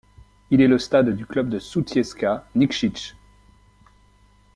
Il est le stade du club de Sutjeska Nikšić.